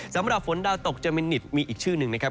สำหรับฝนดาวตกเจมินิตมีอีกชื่อหนึ่งนะครับ